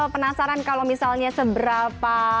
penasaran kalau misalnya seberapa